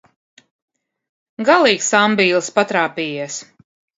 Galīgs ambīlis patrāpījies.